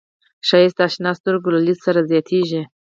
ښایست د اشنا سترګو له لید سره زیاتېږي